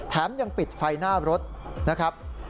ยังปิดไฟหน้ารถนะครับ